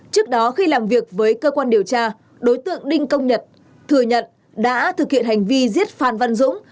trước đó khi làm việc với cơ quan điều tra đối tượng đinh công nhật thừa nhận đã thực hiện hành vi giết phan văn dũng